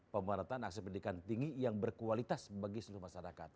pemerhatian aksi pendidikan tinggi yang berkualitas bagi seluruh masyarakat